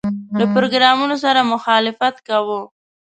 له پروګرامونو سره مخالفت کاوه.